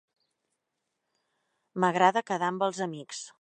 M'agrada quedar amb els amics.